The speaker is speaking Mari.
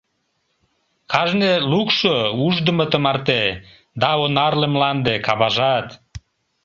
Кажне лукшо уждымо тымарте, Да онарле мланде, каважат!